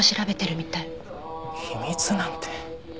秘密なんて。